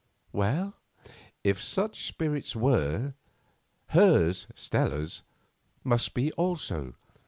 Well, if such spirits were, hers—Stella's—must be also.